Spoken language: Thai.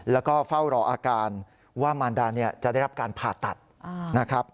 แล้วก็เฝ้ารออาการว่ามารดาจะได้รับการผ่าตัดนะครับ